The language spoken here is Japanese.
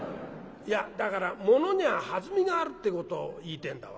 「いやだからものには弾みがあるってことを言いてえんだ俺はな。